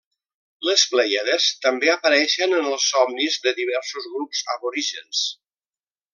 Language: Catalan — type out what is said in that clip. Les Plèiades també apareixen en els Somnis de diversos grups aborígens.